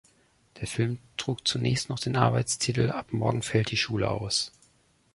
Der Film trug zunächst noch den Arbeitstitel "Ab morgen fällt die Schule aus".